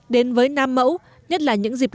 đến với nam mẫu nhất là những dịp